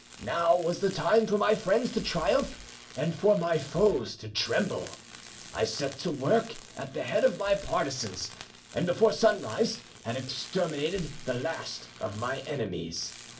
Now was the time for my friends to triumph and for my foes to tremble. I set to work at the head of my partisans, and before sunrise had exterminated the last of my enemies.